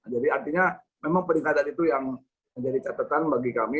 jadi artinya memang peringkatan itu yang menjadi catatan bagi kami